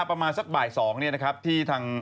ประมาณสักบ่าย๒เนี่ยนะครับที่ทาง